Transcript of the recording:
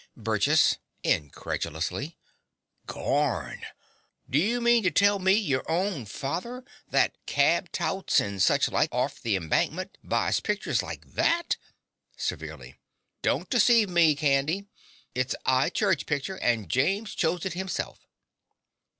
BURGESS (incredulously). Garn! D'you mean to tell me your hown father! that cab touts or such like, orf the Embankment, buys pictur's like that? (Severely.) Don't deceive me, Candy: it's a 'Igh Church pictur; and James chose it hisself.